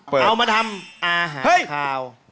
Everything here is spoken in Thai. เอามาทำอาหารขาว